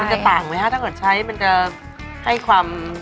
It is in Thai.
จะต่างไหมฮะถ้าเกิดใช้มันจะให้ความ